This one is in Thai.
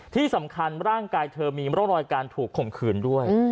ที่สำคัญร่างกายเธอมีร่องรอยการถูกข่มขืนด้วย